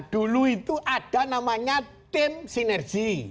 dulu itu ada namanya team synergy